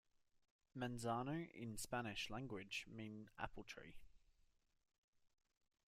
Manzano in Spanish language mean Apple tree.